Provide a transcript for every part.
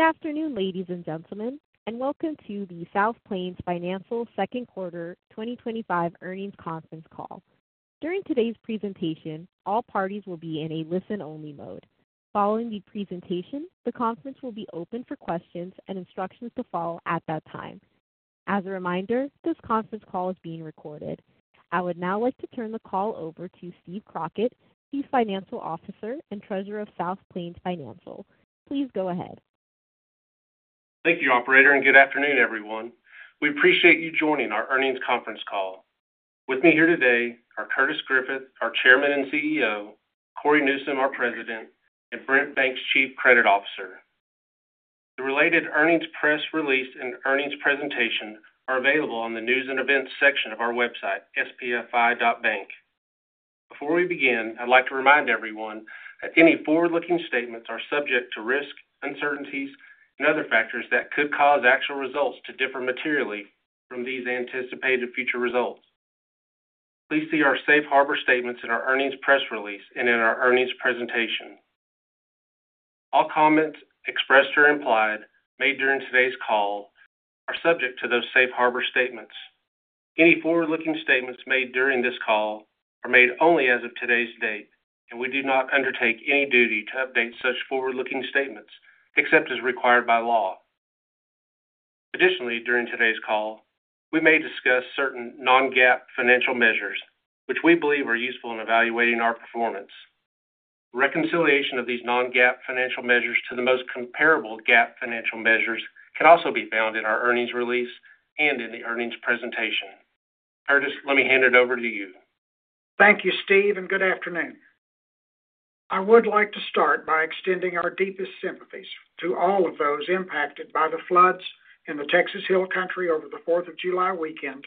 Good afternoon, ladies and gentlemen, and welcome to the South Plains Financial Second Quarter 2025 Earnings Conference Call. During today's presentation, all parties will be in a listen-only mode. Following the presentation, the conference will be open for questions and instructions to follow at that time. As a reminder, this conference call is being recorded. I would now like to turn the call over to Steve Crockett, Chief Financial Officer and Treasurer of South Plains Financial. Please go ahead. Thank you, Operator, and good afternoon, everyone. We appreciate you joining our earnings conference call. With me here today are Curtis Griffith, our Chairman and CEO, Cory Newsom, our President, and Brent Bates, Chief Credit Officer. The related earnings press release and earnings presentation are available on the News and Events section of our website, spfi.bank. Before we begin, I'd like to remind everyone that any forward-looking statements are subject to risk, uncertainties, and other factors that could cause actual results to differ materially from these anticipated future results. Please see our Safe Harbor statements in our earnings press release and in our earnings presentation. All comments expressed or implied made during today's call are subject to those Safe Harbor statements. Any forward-looking statements made during this call are made only as of today's date, and we do not undertake any duty to update such forward-looking statements except as required by law. Additionally, during today's call, we may discuss certain non-GAAP financial measures, which we believe are useful in evaluating our performance. Reconciliation of these non-GAAP financial measures to the most comparable GAAP financial measures can also be found in our earnings release and in the earnings presentation. Curtis, let me hand it over to you. Thank you, Steve, and good afternoon. I would like to start by extending our deepest sympathies to all of those impacted by the floods in the Texas Hill Country over the Fourth of July weekend,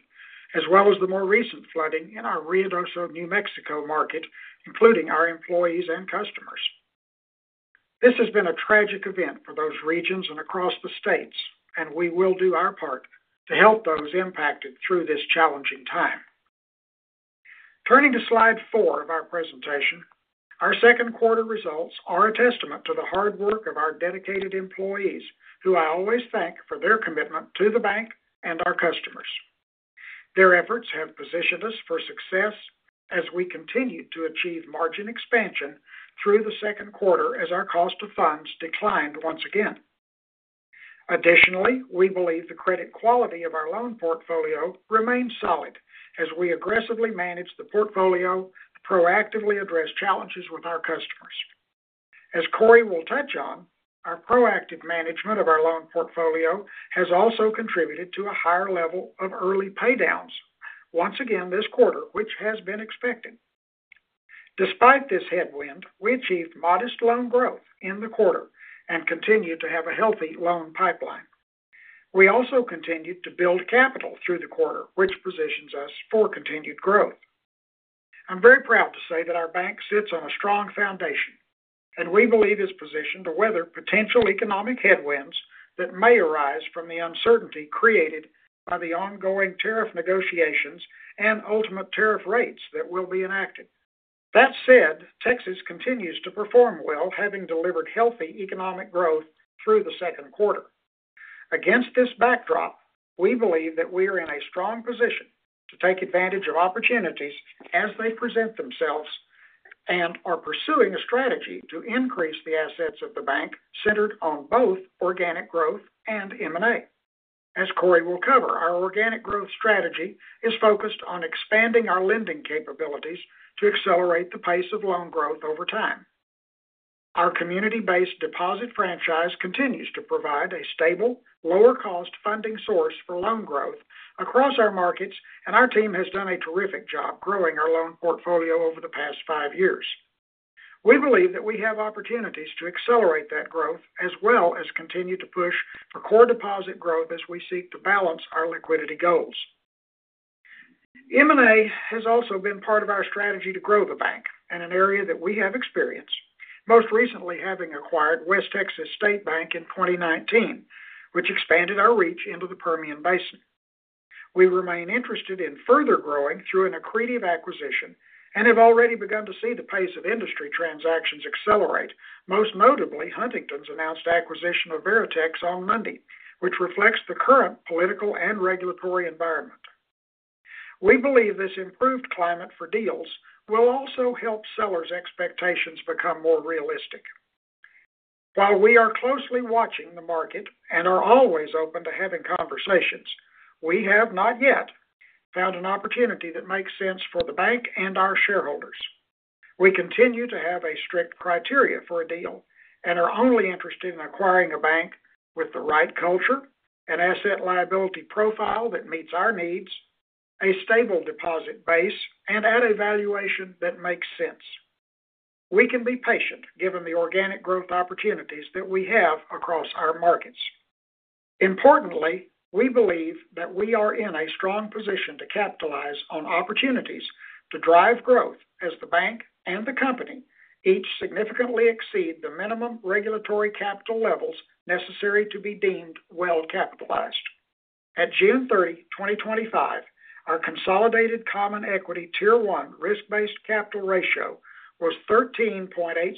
as well as the more recent flooding in our Ruidoso, New Mexico market, including our employees and customers. This has been a tragic event for those regions and across the states, and we will do our part to help those impacted through this challenging time. Turning to slide four of our presentation, our second quarter results are a testament to the hard work of our dedicated employees, who I always thank for their commitment to the bank and our customers. Their efforts have positioned us for success as we continue to achieve margin expansion through the second quarter as our cost of funds declined once again. Additionally, we believe the credit quality of our loan portfolio remains solid as we aggressively manage the portfolio to proactively address challenges with our customers. As Cory will touch on, our proactive management of our loan portfolio has also contributed to a higher level of early paydowns once again this quarter, which has been expected. Despite this headwind, we achieved modest loan growth in the quarter and continue to have a healthy loan pipeline. We also continued to build capital through the quarter, which positions us for continued growth. I'm very proud to say that our bank sits on a strong foundation, and we believe it's positioned to weather potential economic headwinds that may arise from the uncertainty created by the ongoing tariff negotiations and ultimate tariff rates that will be enacted. That said, Texas continues to perform well, having delivered healthy economic growth through the second quarter. Against this backdrop, we believe that we are in a strong position to take advantage of opportunities as they present themselves and are pursuing a strategy to increase the assets of the bank centered on both organic growth and M&A. As Cory will cover, our organic growth strategy is focused on expanding our lending capabilities to accelerate the pace of loan growth over time. Our community-based deposit franchise continues to provide a stable, lower-cost funding source for loan growth across our markets, and our team has done a terrific job growing our loan portfolio over the past five years. We believe that we have opportunities to accelerate that growth as well as continue to push our core deposit growth as we seek to balance our liquidity goals. M&A has also been part of our strategy to grow the bank in an area that we have experience, most recently having acquired West Texas State Bank in 2019, which expanded our reach into the Permian Basin. We remain interested in further growing through an accretive acquisition and have already begun to see the pace of industry transactions accelerate, most notably Huntington's announced acquisition of Veritex on Monday, which reflects the current political and regulatory environment. We believe this improved climate for deals will also help sellers' expectations become more realistic. While we are closely watching the market and are always open to having conversations, we have not yet found an opportunity that makes sense for the bank and our shareholders. We continue to have a strict criteria for a deal and are only interested in acquiring a bank with the right culture, an asset liability profile that meets our needs, a stable deposit base, and at a valuation that makes sense. We can be patient given the organic growth opportunities that we have across our markets. Importantly, we believe that we are in a strong position to capitalize on opportunities to drive growth as the bank and the company each significantly exceed the minimum regulatory capital levels necessary to be deemed well capitalized. At June 30, 2025, our consolidated common equity tier 1 risk-based capital ratio was 13.86%,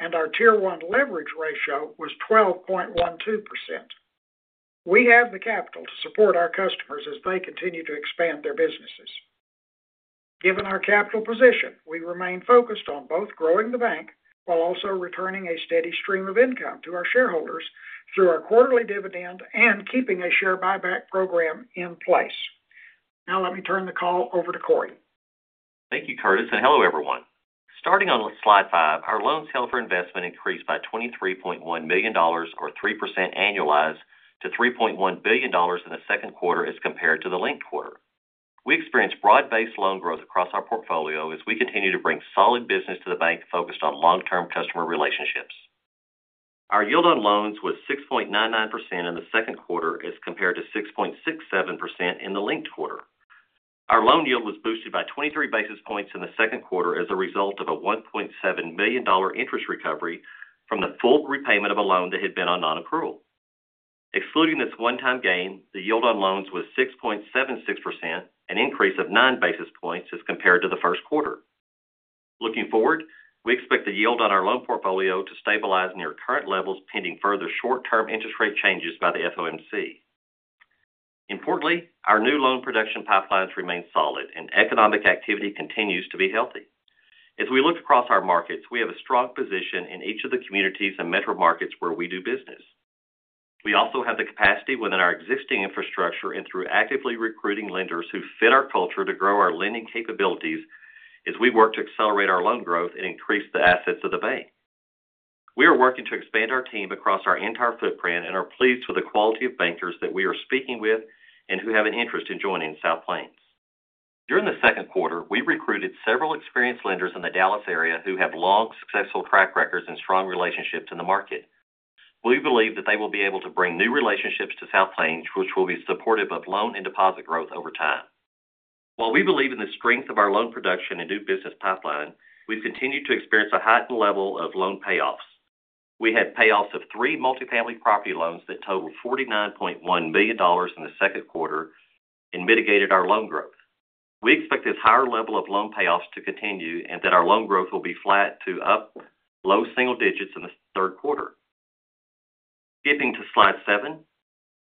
and our tier 1 leverage ratio was 12.12%. We have the capital to support our customers as they continue to expand their businesses. Given our capital position, we remain focused on both growing the bank while also returning a steady stream of income to our shareholders through our quarterly dividend and keeping a share buyback program in place. Now, let me turn the call over to Cory. Thank you, Curtis, and hello everyone. Starting on slide five, our loans held for investment increased by $23.1 million, or 3% annualized, to $3.1 billion in the second quarter as compared to the linked quarter. We experienced broad-based loan growth across our portfolio as we continue to bring solid business to the bank focused on long-term customer relationships. Our yield on loans was 6.99% in the second quarter as compared to 6.67% in the linked quarter. Our loan yield was boosted by 23 basis points in the second quarter as a result of a $1.7 million interest recovery from the full repayment of a loan that had been on non-accrual. Excluding this one-time gain, the yield on loans was 6.76%, an increase of 9 basis points as compared to the first quarter. Looking forward, we expect the yield on our loan portfolio to stabilize near current levels pending further short-term interest rate changes by the FOMC. Importantly, our new loan production pipelines remain solid and economic activity continues to be healthy. As we look across our markets, we have a strong position in each of the communities and metro markets where we do business. We also have the capacity within our existing infrastructure and through actively recruiting lenders who fit our culture to grow our lending capabilities as we work to accelerate our loan growth and increase the assets of the bank. We are working to expand our team across our entire footprint and are pleased with the quality of bankers that we are speaking with and who have an interest in joining South Plains. During the second quarter, we recruited several experienced lenders in the Dallas area who have long successful track records and strong relationships in the market. We believe that they will be able to bring new relationships to South Plains, which will be supportive of loan and deposit growth over time. While we believe in the strength of our loan production and new business pipeline, we've continued to experience a heightened level of loan payoffs. We had payoffs of three multifamily property loans that totaled $49.1 million in the second quarter and mitigated our loan growth. We expect this higher level of loan payoffs to continue and that our loan growth will be flat to up low single digits in the third quarter. Skipping to slide seven,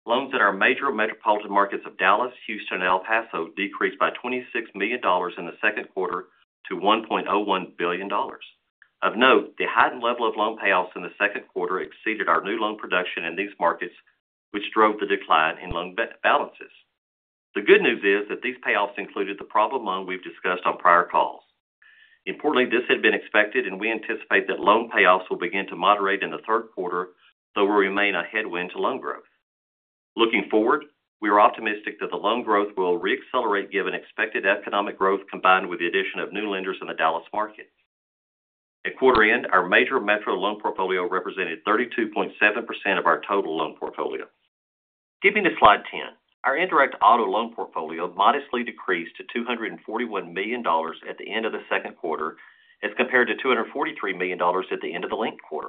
loans in our major metropolitan markets of Dallas, Houston, and El Paso decreased by $26 million in the second quarter to $1.01 billion. Of note, the heightened level of loan payoffs in the second quarter exceeded our new loan production in these markets, which drove the decline in loan balances. The good news is that these payoffs included the problem loan we've discussed on prior calls. Importantly, this had been expected and we anticipate that loan payoffs will begin to moderate in the third quarter, though we remain a headwind to loan growth. Looking forward, we are optimistic that the loan growth will re-accelerate given expected economic growth combined with the addition of new lenders in the Dallas market. At quarter end, our major metro loan portfolio represented 32.7% of our total loan portfolio. Skipping to slide 10, our indirect auto loan portfolio modestly decreased to $241 million at the end of the second quarter as compared to $243 million at the end of the linked quarter.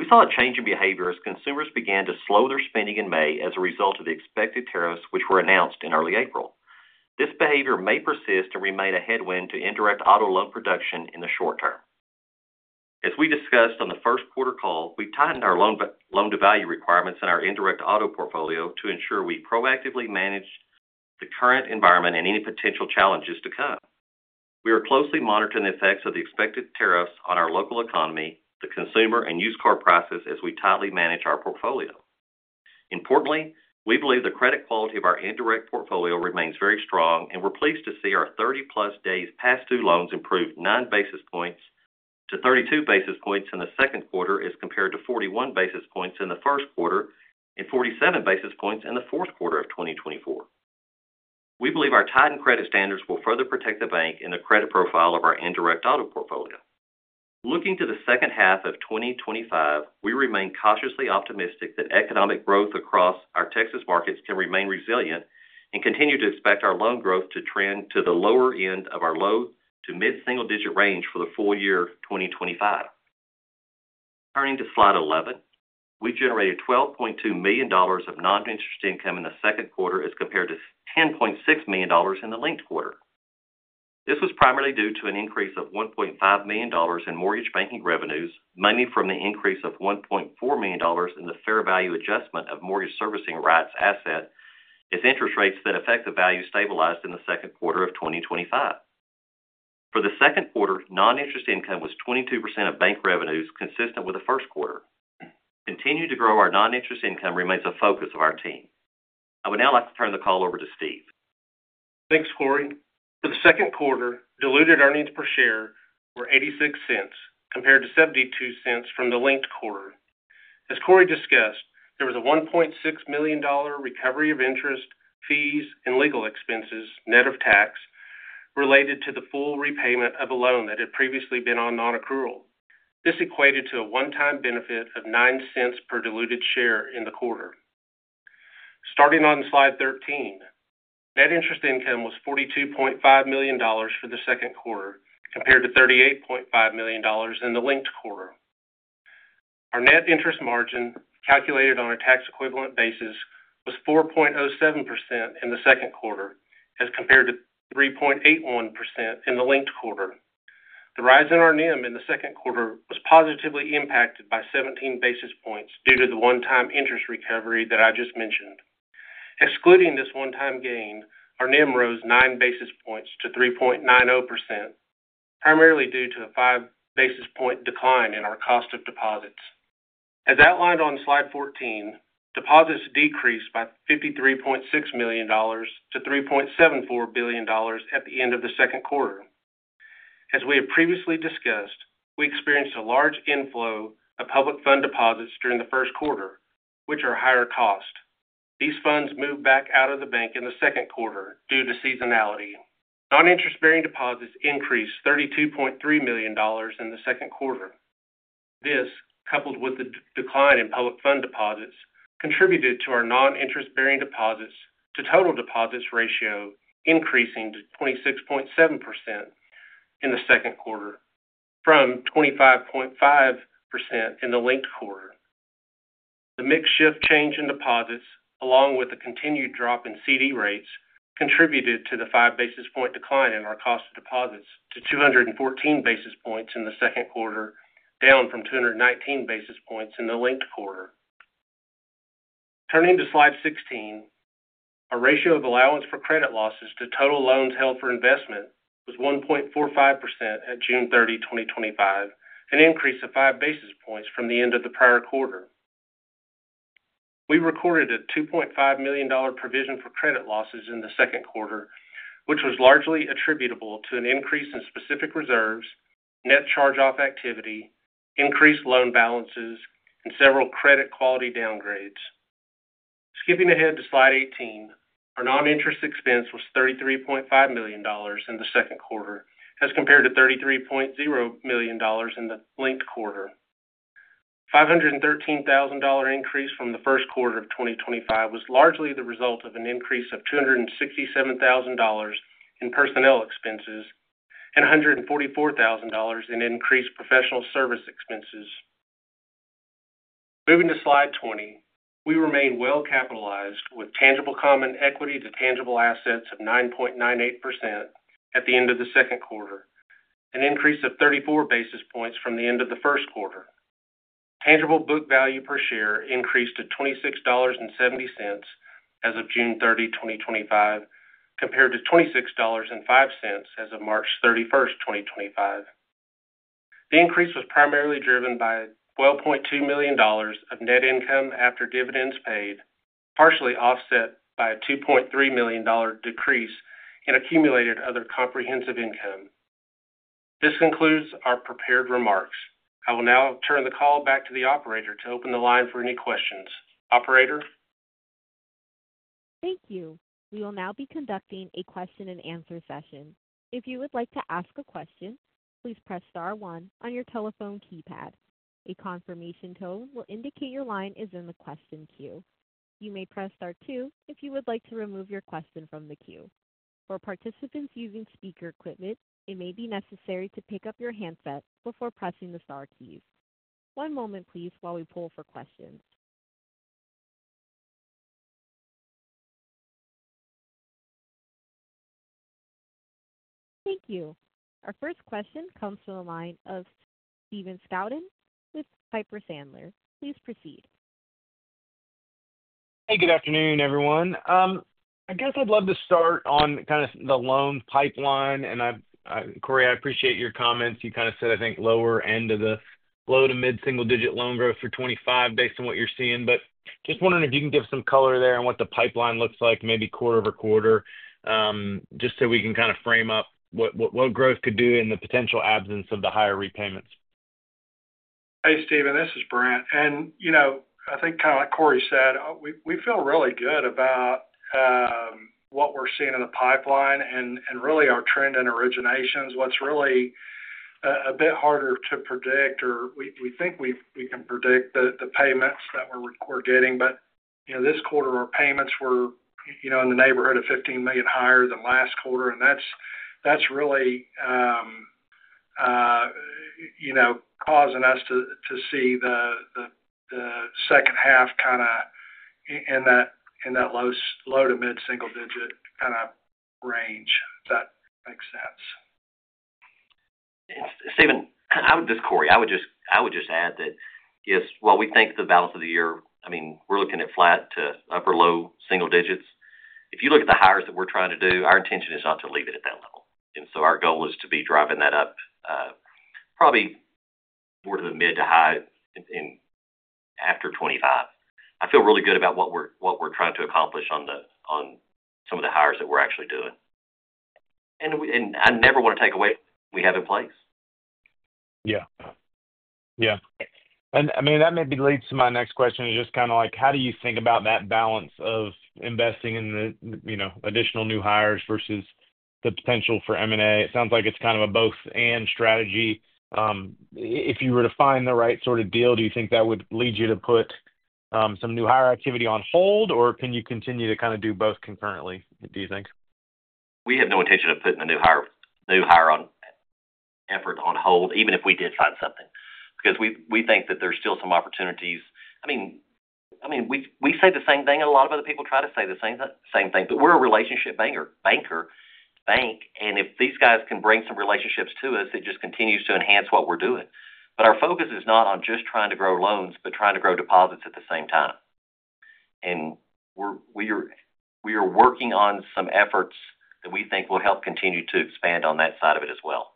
We saw a change in behavior as consumers began to slow their spending in May as a result of the expected tariffs, which were announced in early April. This behavior may persist and remain a headwind to indirect auto loan production in the short term. As we discussed on the first quarter call, we tightened our loan-to-value requirements in our indirect auto portfolio to ensure we proactively manage the current environment and any potential challenges to come. We are closely monitoring the effects of the expected tariffs on our local economy, the consumer, and used car prices as we tightly manage our portfolio. Importantly, we believe the credit quality of our indirect portfolio remains very strong and we're pleased to see our 30+ days pass-through loans improved nine basis points to 32 basis points in the second quarter as compared to 41 basis points in the first quarter and 47 basis points in the fourth quarter of 2024. We believe our tightened credit standards will further protect the bank and the credit profile of our indirect auto portfolio. Looking to the second half of 2025, we remain cautiously optimistic that economic growth across our Texas markets can remain resilient and continue to expect our loan growth to trend to the lower end of our low to mid-single-digit range for the full year 2025. Turning to slide 11, we generated $12.2 million of non-interest income in the second quarter as compared to $10.6 million in the linked quarter. This was primarily due to an increase of $1.5 million in mortgage banking revenues, mainly from the increase of $1.4 million in the fair value adjustment of mortgage servicing rights asset, as interest rates that affect the value stabilized in the second quarter of 2025. For the second quarter, non-interest income was 22% of bank revenues, consistent with the first quarter. Continuing to grow our non-interest income remains a focus of our team. I would now like to turn the call over to Steve. Thanks, Cory. For the second quarter, diluted EPS were $0.86 compared to $0.72 from the linked quarter. As Cory discussed, there was a $1.6 million recovery of interest, fees, and legal expenses net of tax related to the full repayment of a loan that had previously been on non-approval. This equated to a one-time benefit of $0.09 per diluted share in the quarter. Starting on slide 13, net interest income was $42.5 million for the second quarter compared to $38.5 million in the linked quarter. Our net interest margin, calculated on a tax-equivalent basis, was 4.07% in the second quarter as compared to 3.81% in the linked quarter. The rise in our net interest margin in the second quarter was positively impacted by 17 basis points due to the one-time interest recovery that I just mentioned. Excluding this one-time gain, our net interest margin rose nine basis points to 3.90%, primarily due to a five-basis point decline in our cost of deposits. As outlined on slide 14, deposits decreased by $53.6 million to $3.74 billion at the end of the second quarter. As we had previously discussed, we experienced a large inflow of public fund deposits during the first quarter, which are higher cost. These funds moved back out of the bank in the second quarter due to seasonality. Non-interest-bearing deposits increased $32.3 million in the second quarter. This, coupled with the decline in public fund deposits, contributed to our non-interest-bearing deposits to total deposits ratio increasing to 26.7% in the second quarter from 25.5% in the linked quarter. The makeshift change in deposits, along with a continued drop in CD rates, contributed to the five-basis point decline in our cost of deposits to 214 basis points in the second quarter, down from 219 basis points in the linked quarter. Turning to slide 16, our ratio of allowance for credit losses to total loans held for investment was 1.45% at June 30, 2025, an increase of five basis points from the end of the prior quarter. We recorded a $2.5 million provision for credit losses in the second quarter, which was largely attributable to an increase in specific reserves, net charge-off activity, increased loan balances, and several credit quality downgrades. Skipping ahead to slide 18, our non-interest expense was $33.5 million in the second quarter as compared to $33.0 million in the linked quarter. A $513,000 increase from the first quarter of 2025 was largely the result of an increase of $267,000 in personnel expenses and $144,000 in increased professional service expenses. Moving to slide 20, we remain well capitalized with tangible common equity to tangible assets of 9.98% at the end of the second quarter, an increase of 34 basis points from the end of the first quarter. Tangible book value per share increased to $26.70 as of June 30, 2025, compared to $26.05 as of March 31st, 2025. The increase was primarily driven by $12.2 million of net income after dividends paid, partially offset by a $2.3 million decrease in accumulated other comprehensive income. This concludes our prepared remarks. I will now turn the call back to the Operator to open the line for any questions. Operator? Thank you. We will now be conducting a question and answer session. If you would like to ask a question, please press star one on your telephone keypad. A confirmation tone will indicate your line is in the question queue. You may press star two if you would like to remove your question from the queue. For participants using speaker equipment, it may be necessary to pick up your handset before pressing the star keys. One moment, please, while we pull for questions. Thank you. Our first question comes from the line of Stephen Scouten with Piper Sandler. Please proceed. Hey, good afternoon, everyone. I'd love to start on kind of the loan pipeline. Cory, I appreciate your comments. You kind of said, I think, lower end of the low to mid-single-digit loan growth for 2025 based on what you're seeing. Just wondering if you can give some color there and what the pipeline looks like, maybe quarter over quarter, just so we can kind of frame up what growth could do in the potential absence of the higher repayments. Hey, Stephen, this is Brent. I think, kind of like Cory said, we feel really good about what we're seeing in the pipeline and really our trend in originations. What's really a bit harder to predict, we think we can predict the payments that we're getting. This quarter, our payments were in the neighborhood of $15 million higher than last quarter. That's really causing us to see the second half kind of in that low to mid-single-digit kind of range, if that makes sense. Stephen, this is Cory, I would just add that, yes, while we think the balance of the year, I mean, we're looking at flat to upper low single digits. If you look at the hires that we're trying to do, our intention is not to leave it at that level. Our goal is to be driving that up, probably more to the mid to high in after 2025. I feel really good about what we're trying to accomplish on some of the hires that we're actually doing. I never want to take away what we have in place. That maybe leads to my next question. It's just kind of like, how do you think about that balance of investing in the additional new hires versus the potential for M&A? It sounds like it's kind of a both/and strategy. If you were to find the right sort of deal, do you think that would lead you to put some new hire activity on hold, or can you continue to kind of do both concurrently, do you think? We have no intention of putting the new hire effort on hold, even if we did sign something, because we think that there's still some opportunities. We say the same thing, and a lot of other people try to say the same thing, but we're a relationship bank, and if these guys can bring some relationships to us, it just continues to enhance what we're doing. Our focus is not on just trying to grow loans, but trying to grow deposits at the same time. We are working on some efforts that we think will help continue to expand on that side of it as well.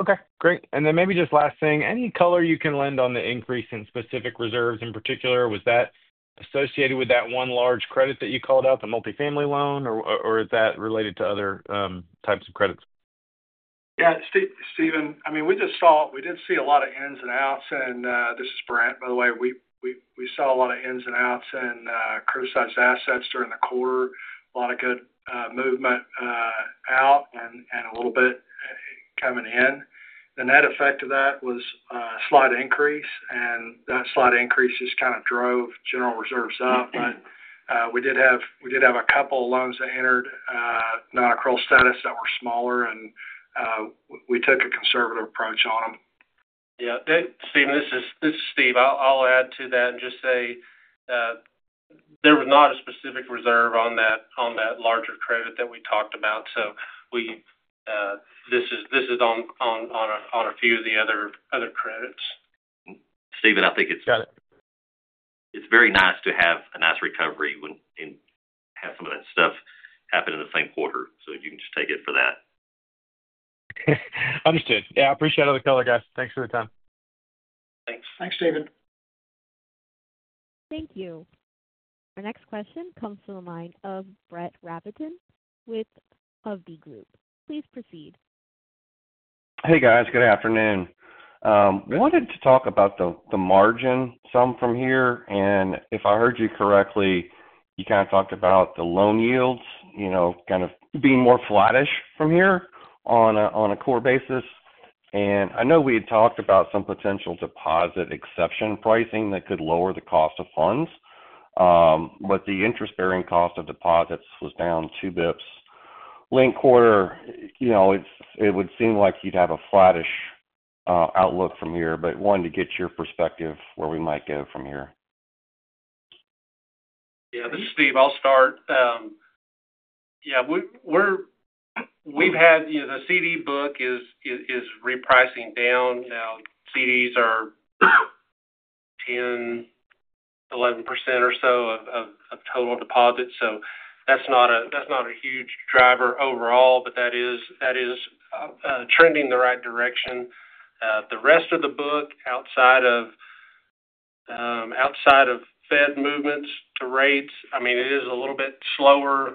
Okay, great. Maybe just last thing, any color you can lend on the increase in specific reserves in particular? Was that associated with that one large credit that you called out, the multifamily loan, or is that related to other types of credits? Yeah, Stephen, I mean, we just saw, we did see a lot of ins and outs, and this is Brent, by the way. We saw a lot of ins and outs in criticized assets during the quarter. A lot of good movement out and a little bit coming in. The net effect of that was a slight increase, and that slight increase just kind of drove general reserves up. We did have a couple of loans that entered non-criticized status that were smaller, and we took a conservative approach on them. Yeah, Stephen, this is Steve. I'll add to that and just say there was not a specific reserve on that larger credit that we talked about. This is on a few of the other credits. Steven, I think it's got it. It's very nice to have a nice recovery and have some of that stuff happen in the same quarter. You can just take it for that. Understood. I appreciate all the color, guys. Thanks for the time. Thanks. Thanks, Stephen. Thank you. Our next question comes from the line of Brett Rabatin with Hovde Group. Please proceed. Hey, guys. Good afternoon. We wanted to talk about the margin some from here. If I heard you correctly, you kind of talked about the loan yields, you know, kind of being more flattish from here on a core basis. I know we had talked about some potential deposit exception pricing that could lower the cost of funds. The interest-bearing cost of deposits was down 2 bps linked quarter. You know, it would seem like you'd have a flattish outlook from here, but wanted to get your perspective where we might go from here. Yeah, this is Steve. I'll start. We've had, you know, the CD book is repricing down. Now CDs are 10%, 11% or so of total deposits. That's not a huge driver overall, but that is trending the right direction. The rest of the book, outside of Fed movements, the rates, I mean, it is a little bit slower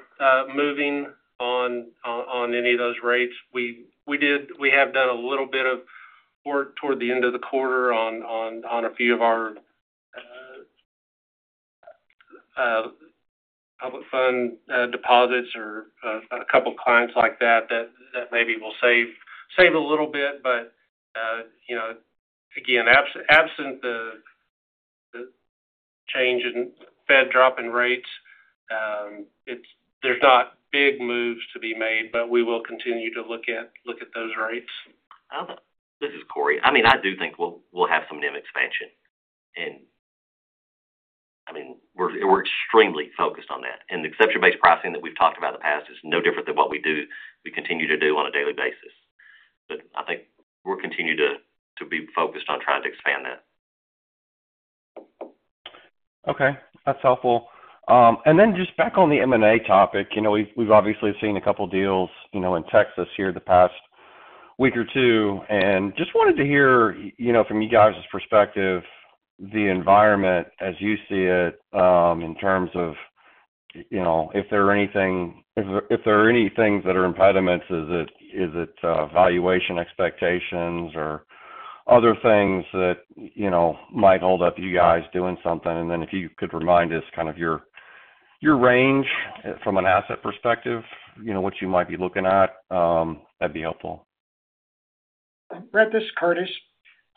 moving on any of those rates. We have done a little bit of work toward the end of the quarter on a few of our public fund deposits or a couple of clients like that that maybe will save a little bit. Again, absent the change in Fed dropping rates, there's not big moves to be made, but we will continue to look at those rates. I mean, I do think we'll have some NIM expansion. We're extremely focused on that. The exception-based pricing that we've talked about in the past is no different than what we do; we continue to do it on a daily basis. I think we'll continue to be focused on trying to expand that. Okay, that's helpful. Just back on the M&A topic, we've obviously seen a couple of deals in Texas here in the past week or two. I wanted to hear from you guys' perspective, the environment as you see it, in terms of if there are any things that are impediments. Is it valuation expectations or other things that might hold up you guys doing something? If you could remind us kind of your range from an asset perspective, what you might be looking at, that'd be helpful. Right. This is Curtis.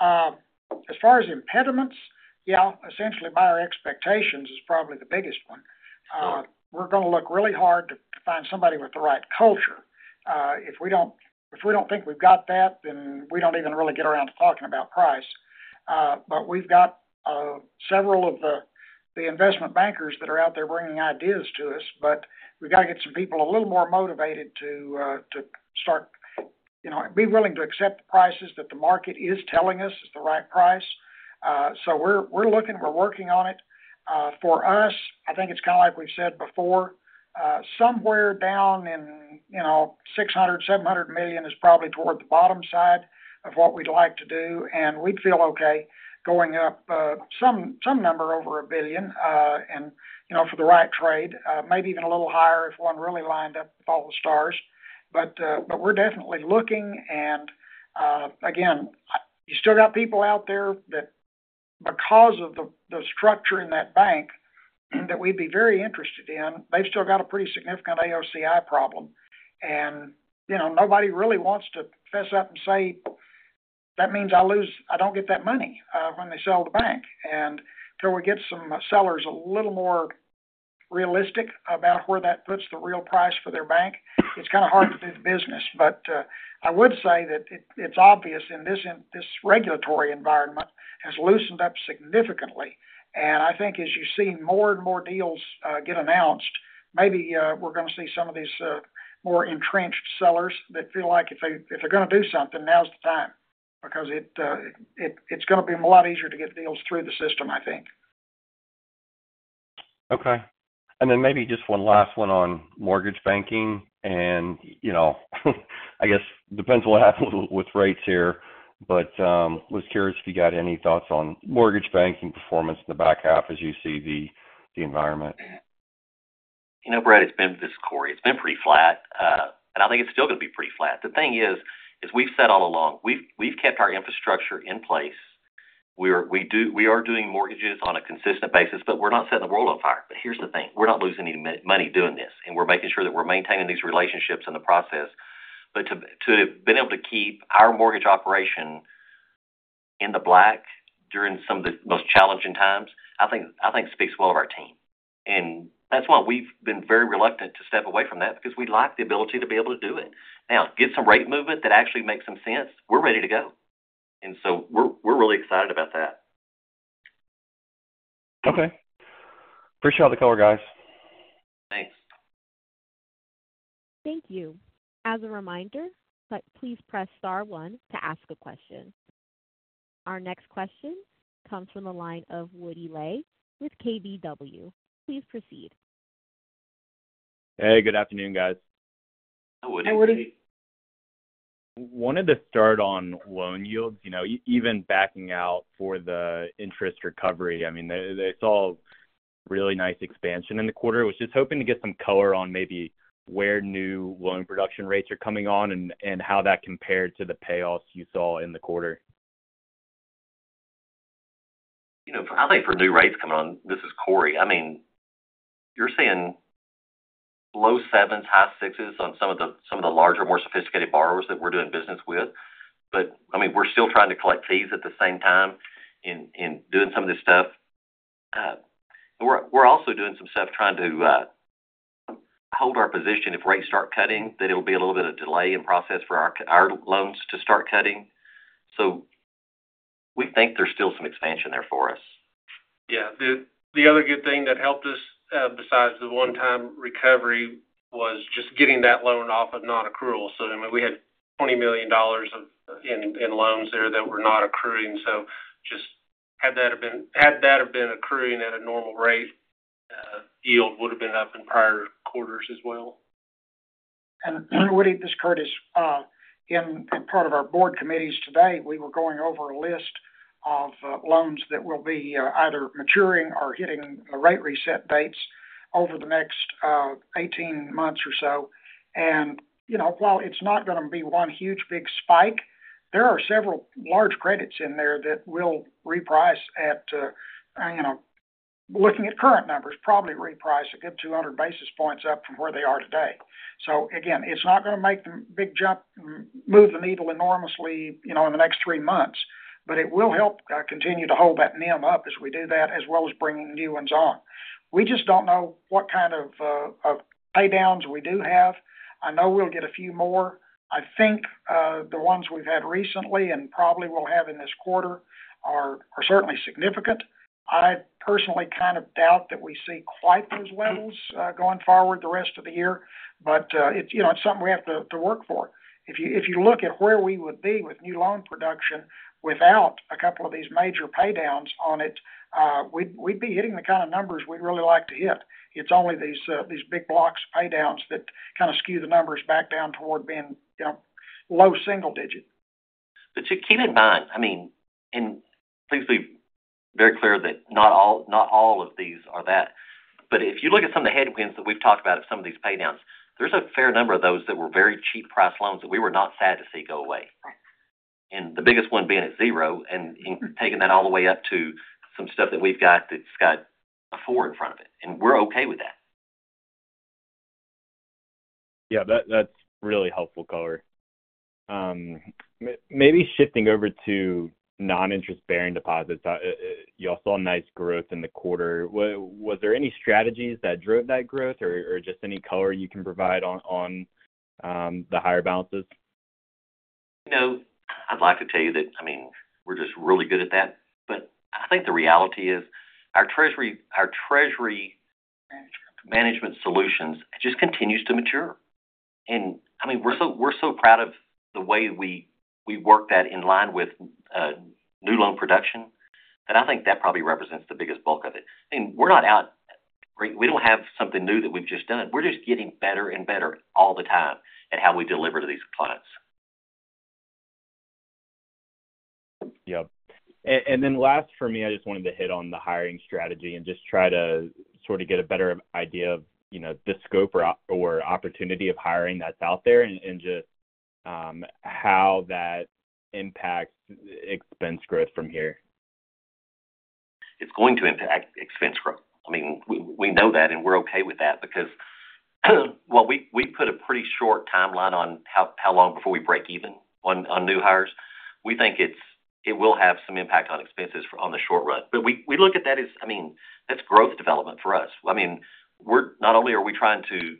As far as impediments, yeah, essentially buyer expectations is probably the biggest one. We're going to look really hard to find somebody with the right culture. If we don't think we've got that, then we don't even really get around to talking about price. We've got several of the investment bankers that are out there bringing ideas to us. We've got to get some people a little more motivated to start, you know, be willing to accept the prices that the market is telling us is the right price. We're looking, we're working on it. For us, I think it's kind of like we've said before, somewhere down in, you know, $600 million, $700 million is probably toward the bottom side of what we'd like to do. We'd feel okay going up some number over $1 billion, and, you know, for the right trade, maybe even a little higher if one really lined up with all the stars. We're definitely looking. You still got people out there that, because of the structure in that bank that we'd be very interested in, they've still got a pretty significant AOCI problem. Nobody really wants to fess up and say, "That means I lose, I don't get that money, when they sell the bank." Until we get some sellers a little more realistic about where that puts the real price for their bank, it's kind of hard to do business. I would say that it's obvious this regulatory environment has loosened up significantly. I think as you see more and more deals get announced, maybe we're going to see some of these more entrenched sellers that feel like if they're going to do something, now's the time because it's going to be a lot easier to get deals through the system, I think. Okay. Maybe just one last one on mortgage banking. I guess it depends on what happens with rates here. I was curious if you got any thoughts on mortgage banking performance in the back half as you see the environment. You know, Brent, it's been this Cory. It's been pretty flat, and I think it's still going to be pretty flat. The thing is, as we've said all along, we've kept our infrastructure in place. We are doing mortgages on a consistent basis, but we're not setting the world on fire. Here's the thing. We're not losing any money doing this, and we're making sure that we're maintaining these relationships in the process. To have been able to keep our mortgage operation in the black during some of the most challenging times, I think speaks well of our team. That's why we've been very reluctant to step away from that because we like the ability to be able to do it. Now, get some rate movement that actually makes some sense, we're ready to go, and we're really excited about that. Okay. Appreciate all the color, guys. Thanks. Thank you. As a reminder, please press star one to ask a question. Our next question comes from the line of Woody Lay with KBW. Please proceed. Hey, good afternoon, guys. Hi, Woody. I wanted to start on loan yields, you know, even backing out for the interest recovery. I mean, it's all really nice expansion in the quarter. I was just hoping to get some color on maybe where new loan production rates are coming on and how that compared to the payoffs you saw in the quarter. I think for new rates coming on, this is Cory. I mean, you're seeing low sevens, high sixes on some of the larger, more sophisticated borrowers that we're doing business with. I mean, we're still trying to collect fees at the same time in doing some of this stuff. We're also doing some stuff trying to hold our position. If rates start cutting, then it'll be a little bit of a delay in process for our loans to start cutting. We think there's still some expansion there for us. Yeah. The other good thing that helped us, besides the one-time interest recovery, was just getting that loan off of non-accrual. I mean, we had $20 million in loans there that were not accruing. Had that been accruing at a normal rate, yield would have been up in prior quarters as well. I'm going to read this, Curtis. In part of our Board committees today, we were going over a list of loans that will be either maturing or hitting rate reset dates over the next 18 months or so. While it's not going to be one huge big spike, there are several large credits in there that will reprice at, looking at current numbers, probably reprice a good 200 basis points up from where they are today. It's not going to make a big jump, move the needle enormously in the next three months, but it will help continue to hold that NIM up as we do that, as well as bringing new ones on. We just don't know what kind of paydowns we do have. I know we'll get a few more. I think the ones we've had recently and probably will have in this quarter are certainly significant. I personally kind of doubt that we see quite those levels going forward the rest of the year. It's something we have to work for. If you look at where we would be with new loan production without a couple of these major paydowns on it, we'd be hitting the kind of numbers we'd really like to hit. It's only these big blocks of paydowns that kind of skew the numbers back down toward being low single digit. Please be very clear that not all of these are that. If you look at some of the headwinds that we've talked about of some of these paydowns, there's a fair number of those that were very cheap price loans that we were not sad to see go away. The biggest one being at zero and taking that all the way up to some stuff that we've got that's got a four in front of it, and we're okay with that. Yeah, that's really helpful color. Maybe shifting over to non-interest-bearing deposits, you all saw nice growth in the quarter. Was there any strategies that drove that growth, or just any color you can provide on the higher balances? I'd like to tell you that, I mean, we're just really good at that. I think the reality is our treasury management solutions just continue to mature. We're so proud of the way we work that in line with new loan production, and I think that probably represents the biggest bulk of it. I mean, we're not out. We don't have something new that we've just done. We're just getting better and better all the time at how we deliver to these clients. I just wanted to hit on the hiring strategy and try to sort of get a better idea of the scope or opportunity of hiring that's out there and just how that impacts expense growth from here. It's going to impact expense growth. We know that, and we're okay with that because while we put a pretty short timeline on how long before we break even on new hires, we think it will have some impact on expenses in the short run. We look at that as growth development for us. We're not only trying to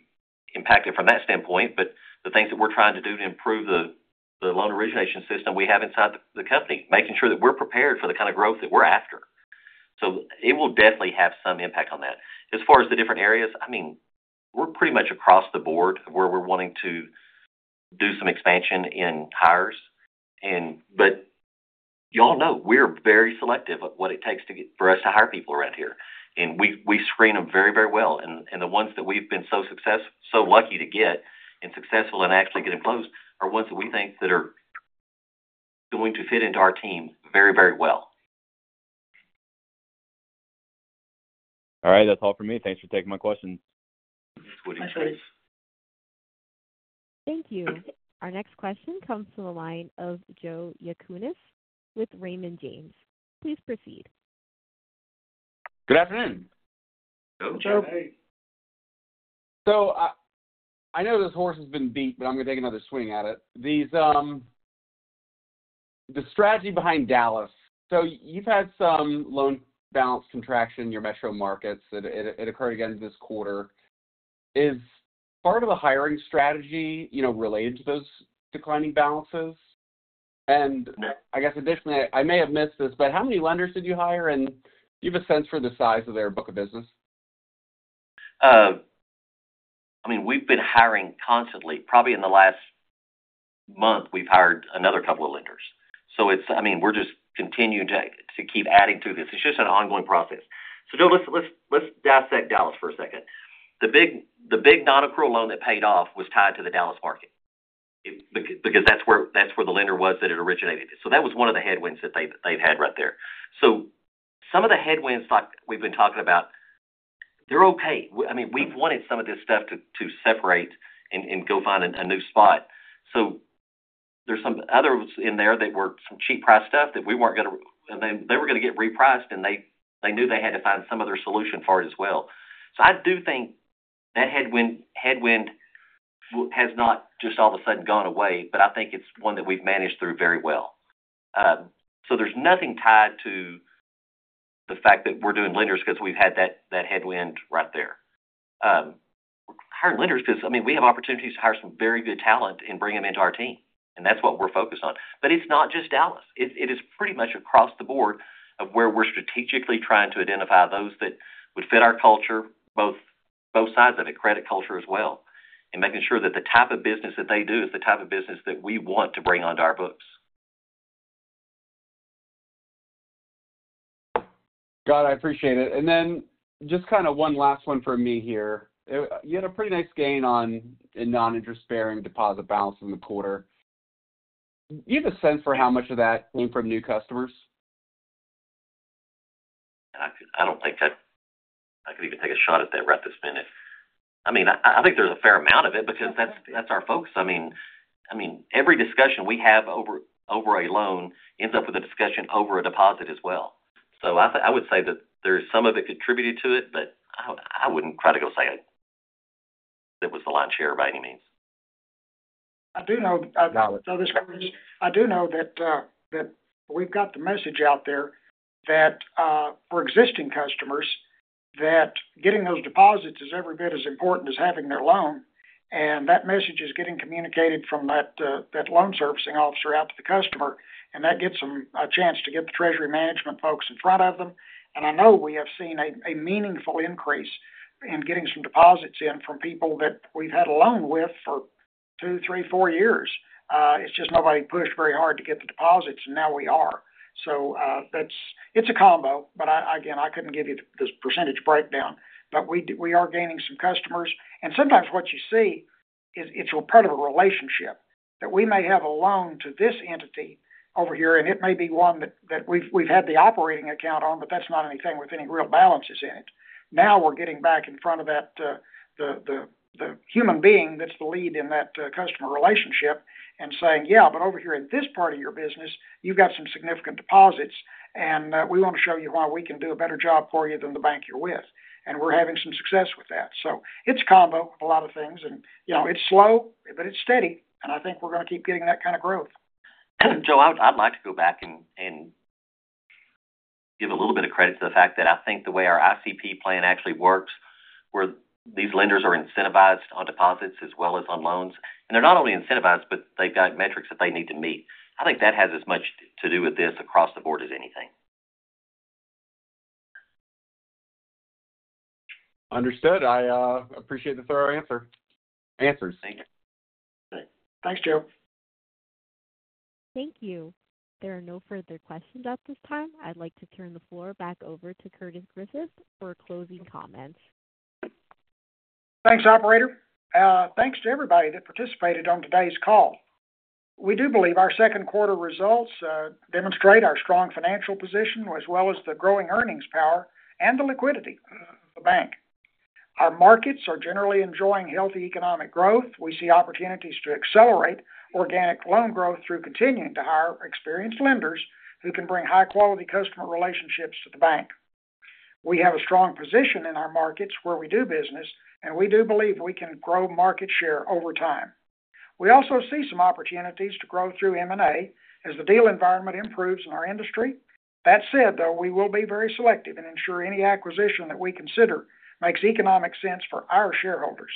impact it from that standpoint, but the things that we're trying to do to improve the loan origination system we have inside the company, making sure that we're prepared for the kind of growth that we're after. It will definitely have some impact on that. As far as the different areas, we're pretty much across the board where we're wanting to do some expansion in hires. Y'all know we're very selective of what it takes to get for us to hire people around here. We screen them very, very well. The ones that we've been so successful, so lucky to get and successful in actually getting close, are ones that we think are going to fit into our team very, very well. All right. That's all for me. Thanks for taking my question. Thank you. Our next question comes from the line of Joe Yanchunis with Raymond James. Please proceed. Good afternoon. Hello, Joe. Joe, hey. I know this horse has been beat, but I'm going to take another swing at it. The strategy behind Dallas. You've had some loan balance contraction in your metro markets. It occurred again this quarter. Is part of the hiring strategy related to those declining balances? I guess additionally, I may have missed this, but how many lenders did you hire? Do you have a sense for the size of their book of business? I mean, we've been hiring constantly. Probably in the last month, we've hired another couple of lenders. We're just continuing to keep adding to this. It's just an ongoing process. Joe, let's dissect Dallas for a second. The big non-accrual loan that paid off was tied to the Dallas market because that's where the lender was that it originated. That was one of the headwinds that they've had right there. Some of the headwinds like we've been talking about, they're okay. We've wanted some of this stuff to separate and go find a new spot. There's some others in there that were some cheap price stuff that we weren't going to, and then they were going to get repriced, and they knew they had to find some other solution for it as well. I do think that headwind has not just all of a sudden gone away, but I think it's one that we've managed through very well. There's nothing tied to the fact that we're doing lenders because we've had that headwind right there. Hiring lenders because we have opportunities to hire some very good talent and bring them into our team. That's what we're focused on. It's not just Dallas. It is pretty much across the board of where we're strategically trying to identify those that would fit our culture, both sides of it, credit culture as well, and making sure that the type of business that they do is the type of business that we want to bring onto our books. Got it. I appreciate it. Just kind of one last one from me here. You had a pretty nice gain on a non-interest-bearing deposit balance in the quarter. Do you have a sense for how much of that came from new customers? I don't think that I could even take a shot at that right this minute. I think there's a fair amount of it because that's our focus. Every discussion we have over a loan ends up with a discussion over a deposit as well. I would say that there's some of it contributed to it, but I wouldn't try to go say that was the lion's share by any means. I do know. Dollars. I do know that we've got the message out there that for existing customers, getting those deposits is every bit as important as having their loan. That message is getting communicated from that loan servicing officer out to the customer. That gets them a chance to get the treasury management folks in front of them. I know we have seen a meaningful increase in getting some deposits in from people that we've had a loan with for two, three, four years. It's just nobody pushed very hard to get the deposits, and now we are. It's a combo. Again, I couldn't give you this percentage breakdown. We are gaining some customers. Sometimes what you see is it's a part of a relationship that we may have a loan to this entity over here, and it may be one that we've had the operating account on, but that's not anything with any real balances in it. Now we're getting back in front of the human being that's the lead in that customer relationship and saying, "Yeah, but over here in this part of your business, you've got some significant deposits, and we want to show you why we can do a better job for you than the bank you're with." We're having some success with that. It's a combo, a lot of things. You know it's slow, but it's steady. I think we're going to keep getting that kind of growth. Joe, I'd like to go back and give a little bit of credit to the fact that I think the way our ICP plan actually works, where these lenders are incentivized on deposits as well as on loans. They're not only incentivized, but they've got metrics that they need to meet. I think that has as much to do with this across the board as anything. Understood. I appreciate the thorough answers. Thank you. Thanks, Joe. Thank you. There are no further questions at this time. I'd like to turn the floor back over to Curtis Griffith for closing comments. Thanks, Operator. Thanks to everybody that participated on today's call. We do believe our second quarter results demonstrate our strong financial position as well as the growing earnings power and the liquidity of the bank. Our markets are generally enjoying healthy economic growth. We see opportunities to accelerate organic loan growth through continuing to hire experienced lenders who can bring high-quality customer relationships to the bank. We have a strong position in our markets where we do business, and we do believe we can grow market share over time. We also see some opportunities to grow through M&A as the deal environment improves in our industry. That said, we will be very selective and ensure any acquisition that we consider makes economic sense for our shareholders.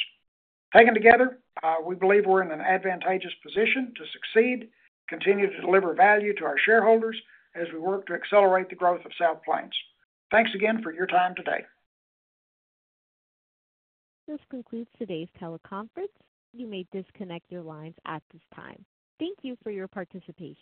Taken together, we believe we're in an advantageous position to succeed, continue to deliver value to our shareholders as we work to accelerate the growth of South Plains. Thanks again for your time today. This concludes today's teleconference. You may disconnect your lines at this time. Thank you for your participation.